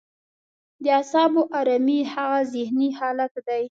د اعصابو ارامي هغه ذهني حالت دی.